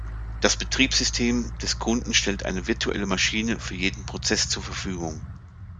Das Betriebssystem des Kunden stellt eine virtuelle Maschine für jeden Prozess zur Verfügung.